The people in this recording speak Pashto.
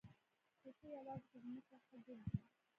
پسه یوازې په ځمکه ښه ګرځي.